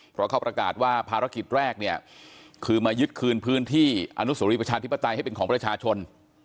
เพราะเขาประกาศว่าภารกิจแรกเนี่ยคือมายึดคืนพื้นที่อนุสรีประชาธิปไตยให้เป็นของประชาชน